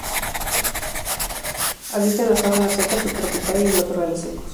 Habita en la sabana seca, subtropical y en matorrales secos.